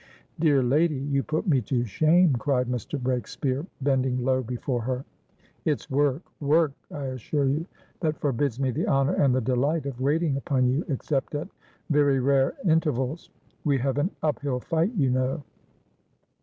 "Dear lady, you put me to shame!" cried Mr. Breakspeare, bending low before her. "It's work, work, I assure you, that forbids me the honour and the delight of waiting upon you, except at very rare intervals. We have an uphill fight, you know."